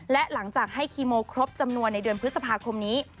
และหลังจากให้คีโมครบจำนวนในเดือนพฤษภาคมนี้